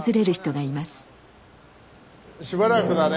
しばらくだね。